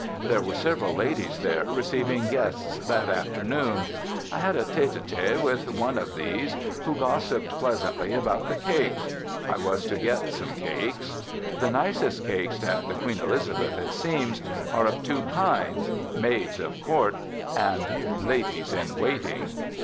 There were several ladies there receiving guests that afternoon. I had a tete a tete with one of these, who gossiped pleasantly about the cakes I was to get some cakes. The nicest cakes at the "Queen Elizabeth," it seems, are of two kinds: "Maids of Court" and "Ladies in Waiting."